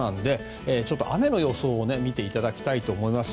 雨の予想を見ていただきたいと思います。